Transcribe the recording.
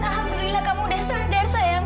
taufan alhamdulillah kamu sudah sedar sayang